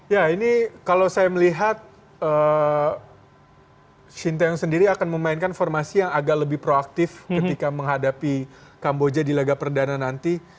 ya ini kalau saya melihat shin taeyong sendiri akan memainkan formasi yang agak lebih proaktif ketika menghadapi kamboja di laga perdana nanti